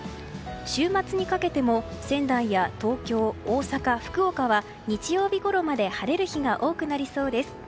週末にかけても仙台や東京、大阪、福岡は日曜日ごろまで晴れる日が多くなりそうです。